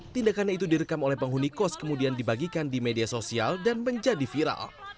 tindakannya itu direkam oleh penghuni kos kemudian dibagikan di media sosial dan menjadi viral